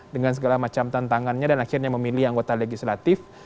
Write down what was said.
dengan segala macam tantangannya dan akhirnya memilih anggota legislatif